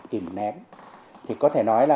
tìm nén thì có thể nói là